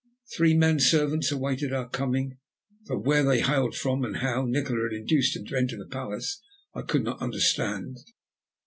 Three men servants awaited our coming, though where they hailed from and how Nikola had induced them to enter the palace, I could not understand.